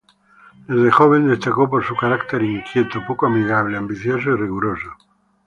Desde joven destacó por su carácter inquieto, poco amigable, ambicioso y riguroso.